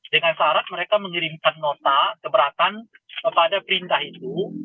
dengan syarat mereka mengirimkan nota keberatan kepada perintah itu